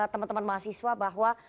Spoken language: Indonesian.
teman teman mahasiswa bahwa